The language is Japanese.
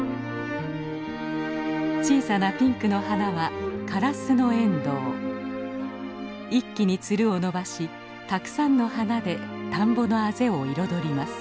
小さなピンクの花は一気につるを伸ばしたくさんの花で田んぼのあぜを彩ります。